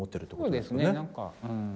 そうですねなんかうん。